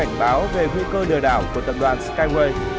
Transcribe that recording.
cảnh báo về nguy cơ lừa đảo của tập đoàn skywe